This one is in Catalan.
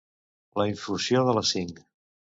La infusió de les cinc.